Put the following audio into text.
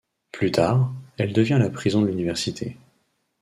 Plus tard, elle devient la prison de l’Université.